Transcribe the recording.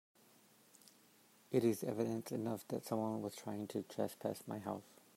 It is evident enough that someone was trying to trespass my house.